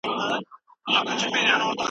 ژبه د پوهي د لیږدولو اصلي وسیله ده.